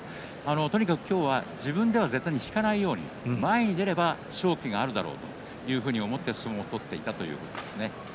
とにかく自分では絶対に引かないように前に出れば勝機があるだろうと思って相撲を取っていたと話していました。